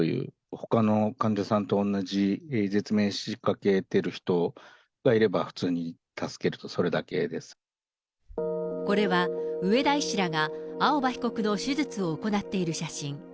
ほかの患者さんと同じ絶命しかけてる人がいれば、普通に助けると、これは、上田医師らが青葉被告の手術を行っている写真。